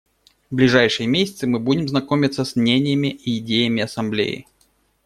В ближайшие месяцы мы будем знакомиться с мнениями и идеями Ассамблеи.